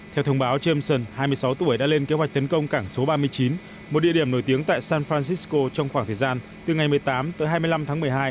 theo thông báo jameson hai mươi sáu tuổi đã lên kế hoạch tấn công cảng số ba mươi chín một địa điểm nổi tiếng tại san francisco trong khoảng thời gian từ ngày một mươi tám tới hai mươi năm tháng một mươi hai